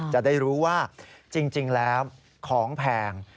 จะได้รู้ว่าจริงแล้วของแพง